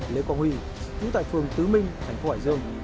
lễ quang huy cứu tại phường tứ minh thành phố hải dương